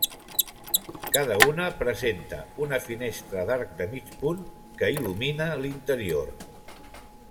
Cada una presenta una finestra d'arc de mig punt que il·lumina l'interior.